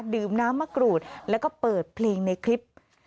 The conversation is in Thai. ดื่มน้ำมะกรูดแล้วก็เปิดเพลงในคลิป